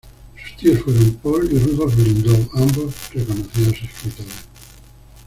Sus tíos fueron Paul y Rudolf Lindau, ambos, reconocidos escritores.